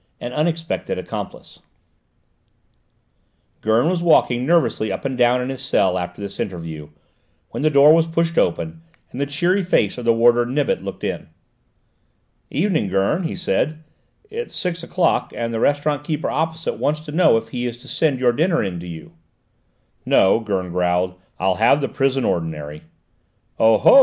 AN UNEXPECTED ACCOMPLICE Gurn was walking nervously up and down in his cell after this interview, when the door was pushed open and the cheery face of the warder Nibet looked in. "Evening, Gurn," he said; "it's six o'clock, and the restaurant keeper opposite wants to know if he is to send your dinner in to you." "No," Gurn growled. "I'll have the prison ordinary." "Oh ho!"